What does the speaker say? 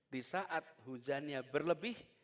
di saat hujannya berlebih